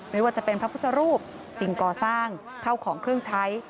ไม่ว่าจะเป็นพระพุทธรูปสิ่งก่อสร้างเข้าของเครื่องใช้